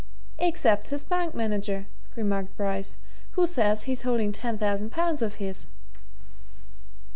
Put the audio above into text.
"Except his bank manager," remarked Bryce, "who says he's holding ten thousand pounds of his."